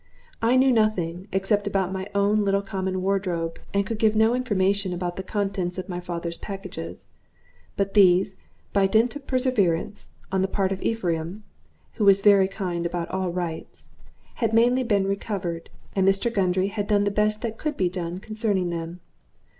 I knew nothing, except about my own little common wardrobe, and could give no information about the contents of my father's packages. But these, by dint of perseverance on the part of Ephraim (who was very keen about all rights), had mainly been recovered, and Mr. Gundry had done the best that could be done concerning them.